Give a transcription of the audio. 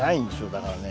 だからね